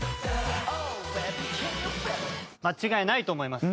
間違いないと思います。